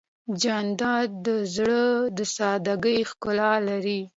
جانداد د زړه د سادګۍ ښکلا لري.